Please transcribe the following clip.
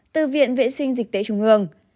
từ viện vệ sinh dịch tễ trung hương